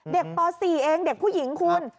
ป๔เองเด็กผู้หญิงคุณ